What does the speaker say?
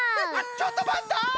ちょっとまった！